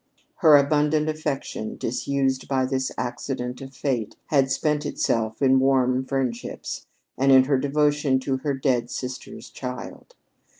Her abundant affection, disused by this accident of fate, had spent itself in warm friendships, and in her devotion to her dead sister's child.